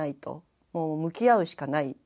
もう向き合うしかない。